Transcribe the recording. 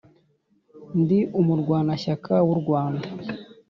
ndi umurwanashyaka w’u rwanda